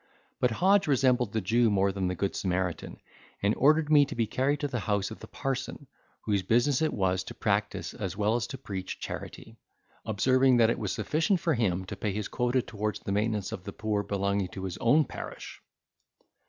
But Hodge resembled the Jew more than the good Samaritan, and ordered me to be carried to the house of the parson, whose business it was to practise as well as to preach charity; observing that it was sufficient for him to pay his quota towards the maintenance of the poor belonging to his own parish.